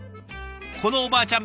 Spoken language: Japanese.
このおばあちゃん